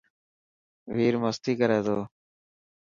وير مستي ڪر ٿو.